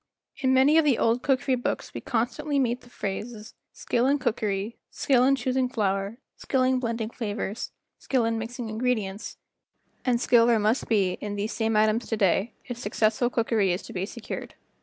In many of the old cookery books we constantly meet the phrases "Skill in cookery," "Skill in choosing flour," "Skill in blending flavors," "Skill in mixing ingredients," and skill there must be in these same items to day if successful cookery is to be secured.